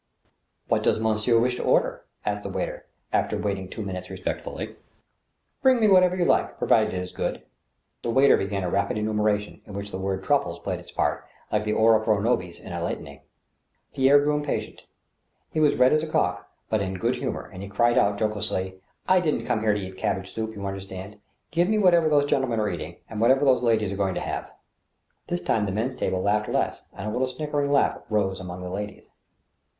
" What does monsieur wish to order ?" asked the waiter, after waiting two minutes respectfully. " Bring me whatever you like, provided it is good." The waiter began a rapid enumeration, in which the word truffles played its part, like the Ora pro nobis in a litany. Kerre grew impatient; he was red as a cock, but in a good humor, and he cried out, jocosely :" I didn't come here to eat cabbage soup, you understand ? Give me whatever those gentlemen are eating, and whatever these ladies are going to have." This time the men's table laughed less, and a little snickering laugh arose among the ladies.